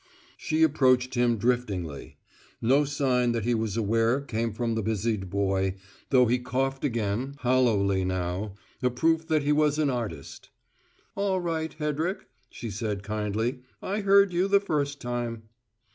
She approached him, driftingly. No sign that he was aware came from the busied boy, though he coughed again, hollowly now a proof that he was an artist. "All right, Hedrick," she said kindly. "I heard you the first time."